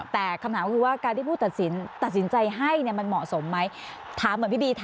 แต่คำถามก็คือว่าการที่พูดตัดสินตัดสินใจให้มันเหมาะสมไหม